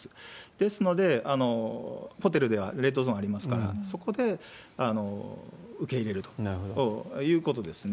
ですので、ホテルではレッドゾーンありますから、そこで受け入れるということですね。